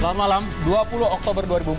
selamat malam dua puluh oktober dua ribu empat belas